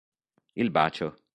Il bacio